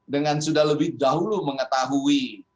dengan sudah lebih dahulu mengetahui